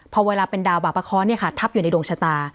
พอเวลาเป็นดาวบาปะเคาะทับอยู่ในดวงชะตา